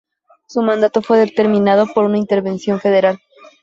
Su mandato fue terminado por una intervención federal.